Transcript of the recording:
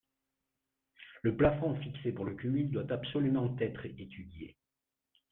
Le plafond fixé pour le cumul doit absolument être étudié.